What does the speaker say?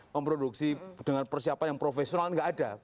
memproduksi dengan persiapan yang profesional nggak ada